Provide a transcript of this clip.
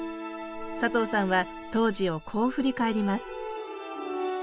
佐藤さんは当時をこう振り返ります